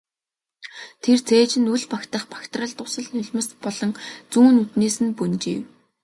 Тэр цээжинд үл багтах багтрал дусал нулимс болон зүүн нүднээс нь бөнжийв.